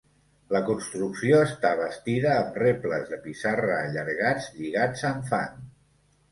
La construcció està bastida amb rebles de pissarra allargats, lligats amb fang.